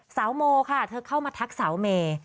โมค่ะเธอเข้ามาทักสาวเมย์